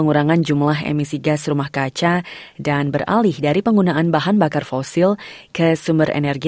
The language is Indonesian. untuk memimpin penggunaan energi